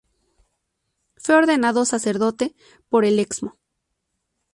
Fue ordenado Sacerdote por el Excmo.